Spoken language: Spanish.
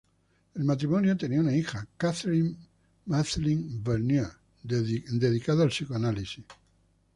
El matrimonio tenía una hija, Catherine Mathelin-Vanier, dedicada al psicoanálisis.